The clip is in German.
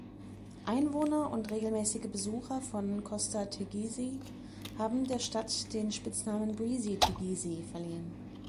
Einwohner und regelmäßige Besucher von Costa Teguise haben der Stadt den Spitznamen „Breezy Teguise“ verliehen.